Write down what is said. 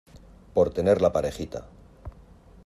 por tener la parejita.